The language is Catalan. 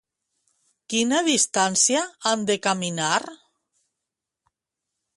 Quina distància han de caminar?